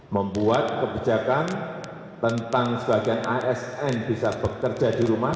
membuat kebijakan tentang sebagian asn bisa bekerja di rumah